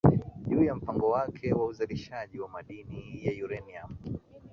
juu ya mpango wake wa uzalishaji wa madini ya urenium